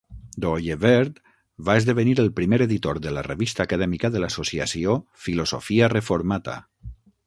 Dooyeweerd va esdevenir el primer editor de la revista acadèmica de l'associació "Philosophia Reformata".